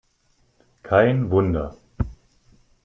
Kein Wunder!